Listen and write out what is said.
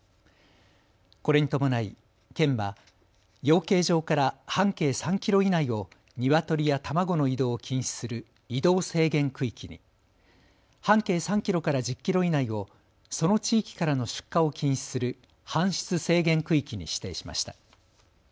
これに伴い、県は養鶏場から半径３キロ以内をニワトリや卵の移動を禁止する移動制限区域に、半径３キロから１０キロ以内をその地域からの出荷を禁止する搬出制限区域に指定しました。